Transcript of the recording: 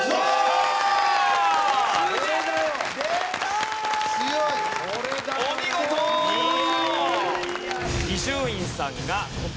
すごい！